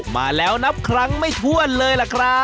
มาแล้วนับครั้งไม่ทั่วเลย